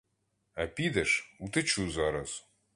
А підеш — утечу зараз.